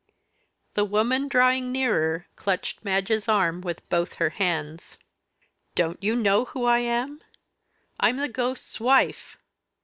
The woman, drawing nearer, clutched Madge's arm with both her hands. "Don't you know who I am? I'm the ghost's wife!"